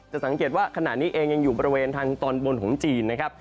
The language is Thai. สังเกตว่าขณะนี้เองยังอยู่บริเวณทางตอนบนของจีนนะครับ